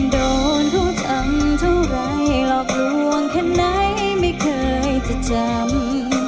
โดนเขาทำเท่าไรหลอกลวงแค่ไหนไม่เคยจะจำ